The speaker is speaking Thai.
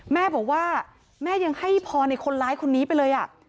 แม่บอกว่าแม่ยังให้พรในคนร้ายคนนี้ไปเลย